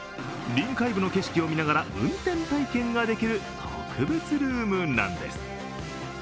臨海部の景色を見ながら運転体験ができる特別ルームなんです。